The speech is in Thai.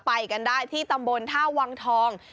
ไปกันได้ที่ตำบลท่าวังทอง